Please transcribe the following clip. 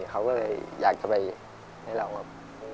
เขาก็เลยอยากจะไปให้เราครับ